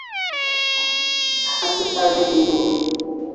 Haturudi nyuma